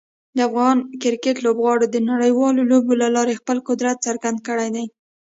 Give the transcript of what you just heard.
د افغان کرکټ لوبغاړو د نړیوالو لوبو له لارې خپل قدرت څرګند کړی دی.